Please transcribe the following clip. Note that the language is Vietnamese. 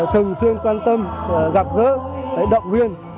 thường xuyên quan tâm gặp gỡ động viên